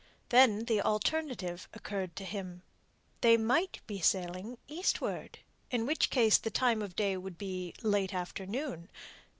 Then the alternative occurred to him. They might be sailing eastward, in which case the time of day would be late afternoon.